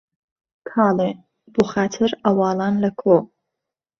کاڵێ بۆ خاتر عەواڵان لە کۆ